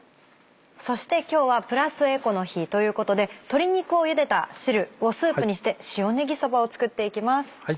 そして今日はプラスエコの日ということで鶏肉をゆでた汁をスープにして塩ねぎそばを作っていきます。